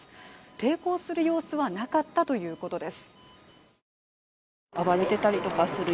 抵抗する様子はなかったということです。